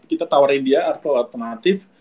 kita tawarin dia atau alternatif